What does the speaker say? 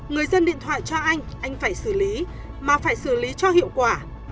người dân điện thoại cho anh anh phải xử lý mà phải xử lý cho hiệu quả